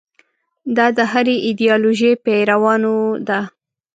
دا د هرې ایدیالوژۍ پیروانو ده.